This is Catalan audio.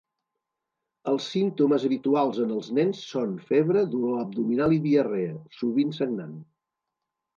Els símptomes habituals en els nens són febre, dolor abdominal i diarrea, sovint sagnant.